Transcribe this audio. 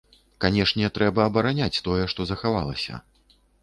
Канешне, трэба абараняць тое, што захавалася.